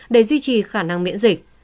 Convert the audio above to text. để duy trì khả năng miễn dịch